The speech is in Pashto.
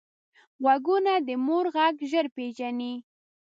غوږونه د مور غږ ژر پېژني